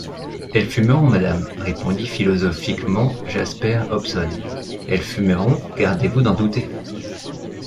Elles fumeront, madame, répondit philosophiquement Jasper Hobson, elles fumeront, gardez-vous d’en douter.